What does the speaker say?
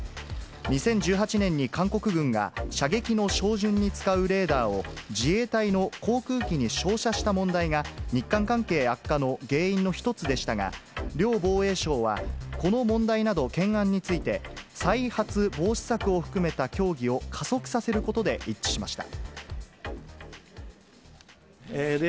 ２０１８年に韓国軍が、射撃の照準に使うレーダーを、自衛隊の航空機に照射した問題が、日韓関係悪化の原因の一つでしたが、両防衛相は、この問題など懸案について、再発防止策を含めた協議を加速させることで一致しました。